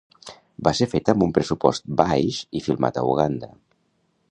Va ser feta amb un pressupost baix i filmat a Uganda.